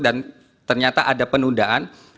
dan ternyata ada penundaan